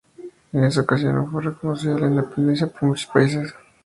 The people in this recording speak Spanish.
En esa ocasión no fue reconocida la independencia por muchos países.